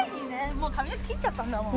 もう髪の毛切っちゃったんだもん。